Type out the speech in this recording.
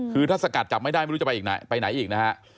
คือถ้าสกัดจับไม่ได้ไม่รู้จะไปไหนอีกนะฮะ